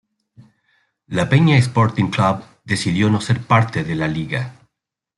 La Peña Sporting Club decidió no ser parte de la liga.